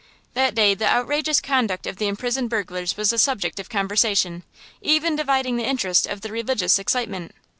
That day the outrageous conduct of the imprisoned burglars was the subject of conversation, even dividing the interest of the religious excitement.